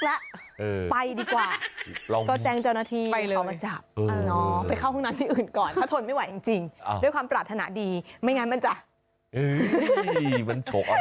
นี่มันถูกนะเออเอาเอาเอา